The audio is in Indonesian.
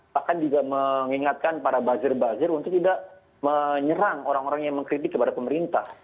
bahkan juga mengingatkan para buzzer buzzer untuk tidak menyerang orang orang yang mengkritik kepada pemerintah